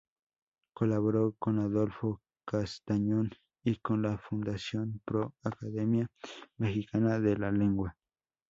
Colaboró con Adolfo Castañón y con la Fundación Pro Academia Mexicana de la Lengua.